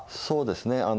そうですね。